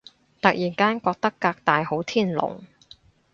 突然間覺得革大好天龍